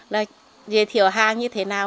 là giới thiệu hàng như thế nào